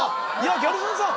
ギャル曽根さん！